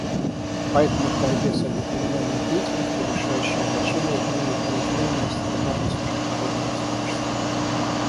Поэтому в борьбе с этой криминальной деятельностью решающее значение имеет неизменная солидарность международного сообщества.